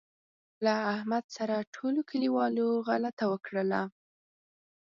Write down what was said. له احمد سره ټولوکلیوالو غلطه وکړله.